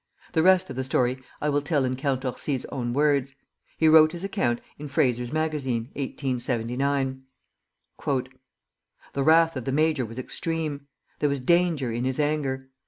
The rest of the story I will tell in Count Orsi's own words. He wrote his account in "Fraser's Magazine," 1879: "The wrath of the major was extreme. There was danger in his anger.